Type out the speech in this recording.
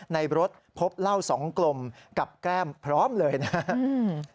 ในรถพบเหล้าสองกลมกับแก้มพร้อมเลยนะครับ